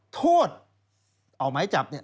โทษออกหมายจับเนี่ย